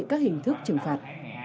các hình thức trừng phạt